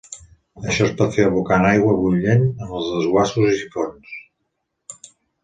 Això es pot fer abocant aigua bullent en els desguassos i sifons.